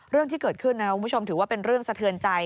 เรื่องที่เกิดขึ้นนะครับคุณผู้ชมถือว่าเป็นเรื่องสะเทือนใจ